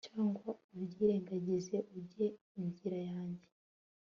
cyangwa ubyirengagize ujye inzira yanjye ..